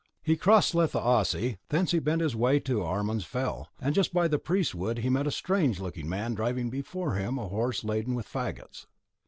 He crossed Sletha asi, thence he bent his way to Armann's fell, and just by the Priest's Wood he met a strange looking man driving before him a horse laden with faggots.